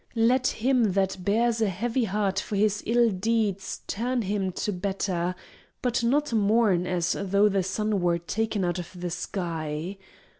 Let him that bears a heavy heart for his ill deeds turn him to better, but not mourn as though the sun were taken out of the sky.